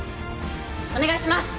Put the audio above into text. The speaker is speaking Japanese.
お願いします！